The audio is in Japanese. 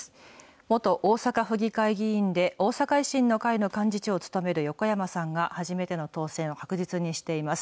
元大阪府議会議員で、大阪維新の会の幹事長を務める横山さんが、初めての当選を確実にしています。